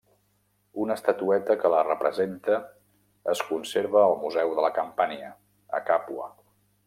Una estatueta que la representa es conserva al Museu de la Campània, a Càpua.